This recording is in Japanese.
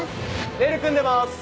レール組んでます。